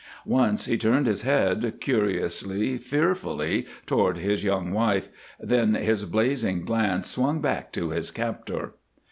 Once he turned his head, curiously, fearfully, toward his young wife, then his blazing glance swung back to his captor.